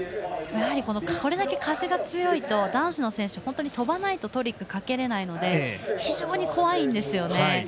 これだけ風が強いと男子の選手、とばないとトリックがかけられないので非常に怖いんですね。